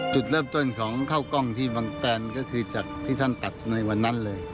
จุดเริ่มต้นของข้าวกล้องที่บางแตนก็คือจากที่ท่านตัดในวันนั้นเลย